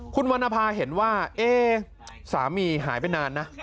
คุณวรรณภาเห็นว่าเอ๊สามีหายไปนานนะ